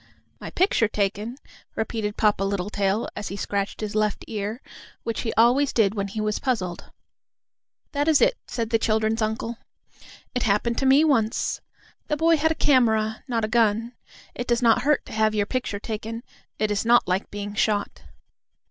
"My picture taken?" repeated Papa Littletail, as he scratched his left ear, which he always did when he was puzzled. "That is it," said the children's uncle. "It happened to me once. The boy had a camera, not a gun. It does not hurt to have your picture taken. It is not like being shot."